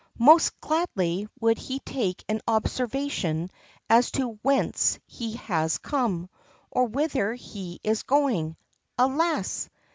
Most gladly would he take an observation as to whence he has come, or whither he is going; alas!